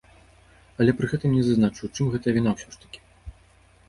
Але пры гэтым не зазначыў, у чым гэтая віна ўсё ж такі.